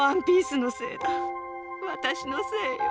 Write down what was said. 私のせいよ。